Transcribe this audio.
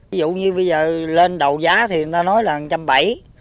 ví dụ như bây giờ lên đầu giá thì người ta nói là một trăm bảy